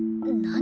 何？